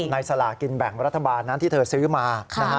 สลากินแบ่งรัฐบาลนั้นที่เธอซื้อมา